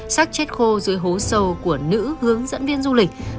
sắc chết khô dưới hố sâu của nữ hướng dẫn viên du lịch